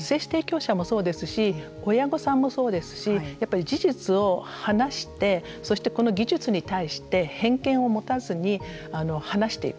まずは、精子提供者もそうですし親御さんもそうですしやっぱり事実を話してそして、この技術に対して偏見を持たずに話していく。